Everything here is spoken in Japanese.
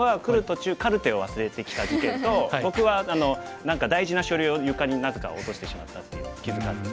途中カルテを忘れてきた事件と僕は何か大事な書類を床になぜか落としてしまったっていう気付かず。